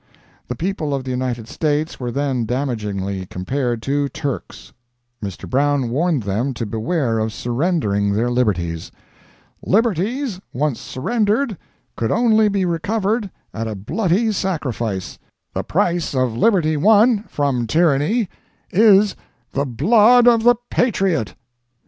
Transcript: The people of the United States were then damagingly compared to Turks. Mr. Brown warned them to beware of surrendering their liberties. "Liberties once surrendered could only be recovered at a bloody sacrifice; the price of liberty won from tyranny is the blood of the patriot."